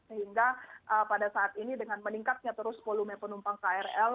sehingga pada saat ini dengan meningkatnya terus volume penumpang krl